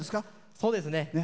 そうですね。